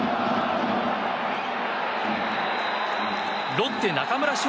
ロッテ中村奨